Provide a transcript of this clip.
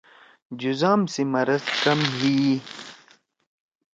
جُزام سی مرض کم ہی ئی۔